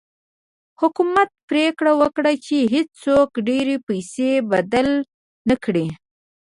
حکومت پرېکړه وکړه چې هېڅوک ډېرې پیسې بدل نه کړي.